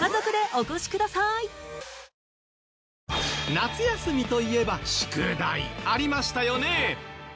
夏休みといえば宿題ありましたよね。